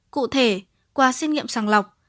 cụ thể qua xét nghiệm sàng lọc